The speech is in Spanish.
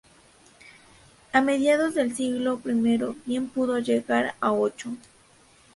A mediados del siglo I bien pudo llegar a ocho.